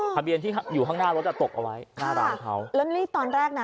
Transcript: ทะเบียนที่อยู่ข้างหน้ารถอ่ะตกเอาไว้หน้าร้านเขาแล้วนี่ตอนแรกน่ะ